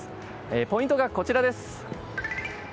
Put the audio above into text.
ポイントがこちらです。